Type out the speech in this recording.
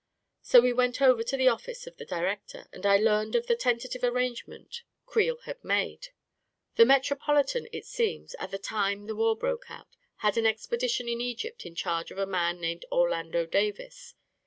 So we went over to the office of the director, and I learned of the tentative arrangement Creel had 46 A KING IN BABYLON made. The Metropolitan, it seems, at the time the war broke out, had an expedition in Egypt in charge of a man named Orlando Davis.